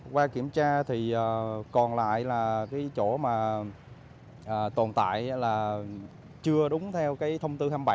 qua kiểm tra thì còn lại là cái chỗ mà tồn tại là chưa đúng theo cái thông tư hai mươi bảy